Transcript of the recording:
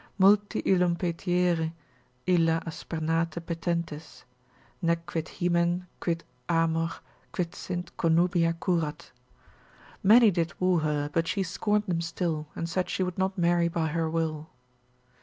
Multi illum petiere, illa aspernate petentes, Nec quid Hymen, quid amor, quid sint connubia curat. Many did woo her, but she scorn'd them still, And said she would not marry by her will.